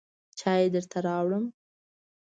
چای درته راوړم.